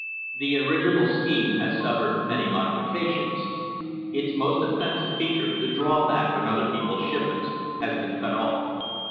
The origi nal scheme has suffered many modifications. Its most offensive feature, the drawback on other people's shipments, has been cut off.